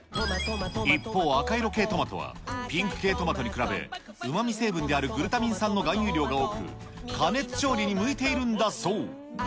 一方、赤色系トマトは、ピンク系トマトに比べ、うまみ成分であるグルタミン酸の含有量が多く、加熱調理に向いているんだそう。